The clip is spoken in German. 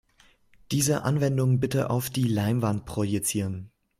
Diese Anwendung bitte auf die Leinwand projizieren.